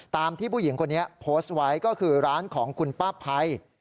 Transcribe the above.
ตามที่ผู้หญิงคนนี้โพสต์ไว้ก็คือร้านของคุณป้าภัย